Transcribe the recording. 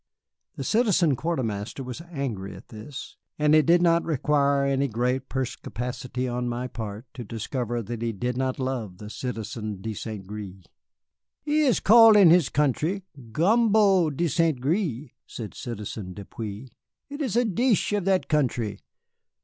The Citizen Quartermaster was angry at this, and it did not require any great perspicacity on my part to discover that he did not love the Citizen de St. Gré. "He is call in his country, Gumbo de St. Gré," said Citizen Depeau. "It is a deesh in that country.